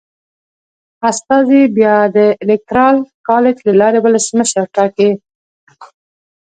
استازي بیا د الېکترال کالج له لارې ولسمشر ټاکي.